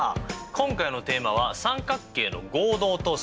今回のテーマは「三角形の合同と相似」ですね。